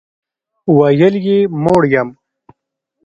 ویل یې موړ یم.